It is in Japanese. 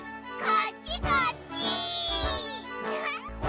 こっちこっち！